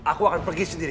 aku akan pergi sendiri